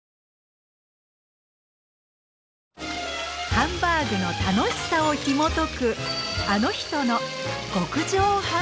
ハンバーグの楽しさをひもとく